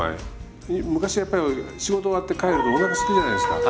昔やっぱり仕事終わって帰るとおなかすくじゃないですか。